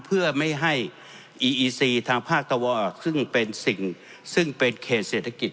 เพื่อไม่ให้อีอีซีทางภาคตะวันออกซึ่งเป็นสิ่งซึ่งเป็นเขตเศรษฐกิจ